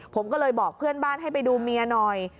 ผมก็เลยบอกเพื่อนบ้านให้ไปดูเมียหน่อย